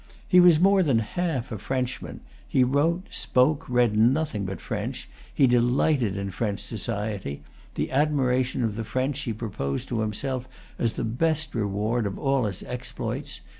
He was more than half a Frenchman; he wrote, spoke, read nothing but French; he delighted in French society; the admiration of the French he proposed to himself as the best reward of all his exploits.